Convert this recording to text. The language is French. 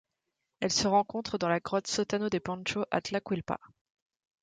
Elle se rencontre dans la grotte Sotano de Poncho à Tlaquilpa.